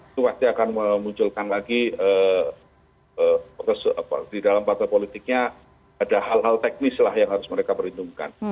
itu pasti akan memunculkan lagi di dalam partai politiknya ada hal hal teknis lah yang harus mereka perhitungkan